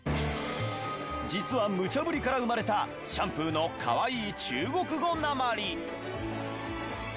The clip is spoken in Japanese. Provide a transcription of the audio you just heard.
実はむちゃぶりから生まれたシャンプーの可愛い中国語なまり。